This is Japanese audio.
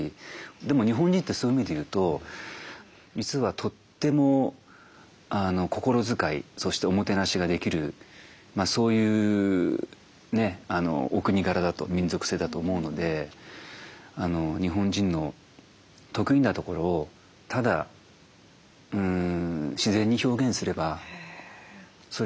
でも日本人ってそういう意味で言うと実はとっても心遣いそしておもてなしができるそういうねお国柄だと民族性だと思うので日本人の得意なところをただ自然に表現すればそれが結果的に支援になる。